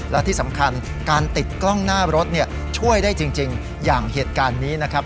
และที่สำคัญการติดกล้องหน้ารถช่วยได้จริงอย่างเหตุการณ์นี้นะครับ